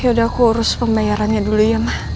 yaudah aku urus pembayarannya dulu ya mah